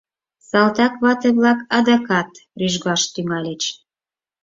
Салтак вате-влак адакат рӱжгаш тӱҥальыч.